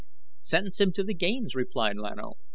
"Sentence him to the games," replied Lan O.